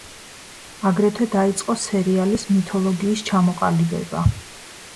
აგრეთვე დაიწყო სერიალის მითოლოგიის ჩამოყალიბება.